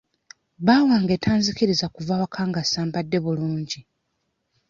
Bba wange tanzikiriza kuva waka nga sambadde bulungi.